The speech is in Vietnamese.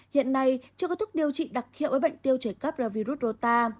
hiện nay chưa có thức điều trị đặc hiệu với bệnh tiêu trẻ cấp do virus rô ta